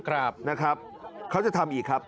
เขาจะทำอีกครับ